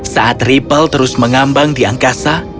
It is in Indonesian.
saat ripple terus mengambang di angkasa